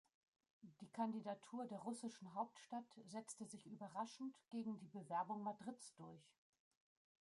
Die Kandidatur der russischen Hauptstadt setzte sich überraschend gegen die Bewerbung Madrids durch.